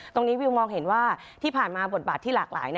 วิวมองเห็นว่าที่ผ่านมาบทบาทที่หลากหลาย